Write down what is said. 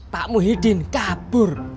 pak muhyiddin kabur